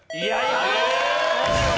お見事！